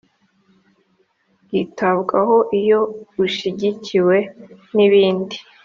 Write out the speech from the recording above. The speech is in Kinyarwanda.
bwitabwaho iyo bushyigikiwe n ibindi